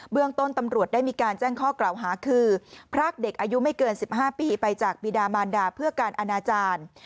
เรื่องต้นตำรวจได้มีการแจ้งข้อกล่าวหาคือพรากเด็กอายุไม่เกิน๑๕ปีไปจากบิดามานดาเพื่อการอนาจารย์